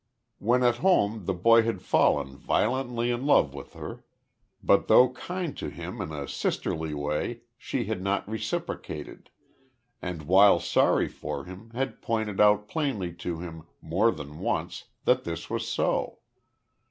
When at home the boy had fallen violently in love with her, but though kind to him in a sisterly way, she had not reciprocated, and while sorry for him had pointed out plainly to him more than once that this was so.